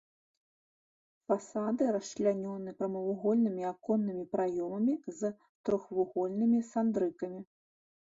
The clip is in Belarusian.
Фасады расчлянёны прамавугольнымі аконнымі праёмамі з трохвугольнымі сандрыкамі.